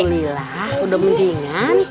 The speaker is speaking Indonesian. alhamdulillah udah mendingan